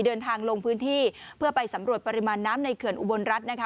เดินทางลงพื้นที่เพื่อไปสำรวจปริมาณน้ำในเขื่อนอุบลรัฐนะคะ